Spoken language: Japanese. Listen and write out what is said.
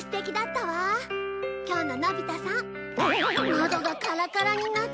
のどがカラカラになっちゃった。